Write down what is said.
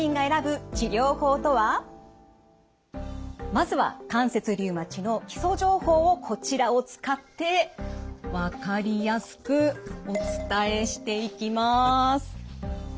まずは関節リウマチの基礎情報をこちらを使って分かりやすくお伝えしていきます。